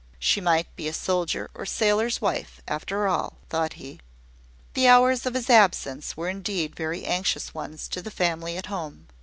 "She might be a soldier's or sailor's wife, after all," thought he. The hours of his absence were indeed very anxious ones to the family at home.